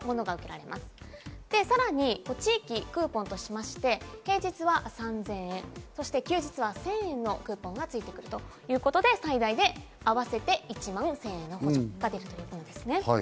さらに地域クーポンとしまして平日は３０００円、そして休日は１０００円のクーポンが付いてくるということで最大で合わせて１万１０００円の補助が出るということですね。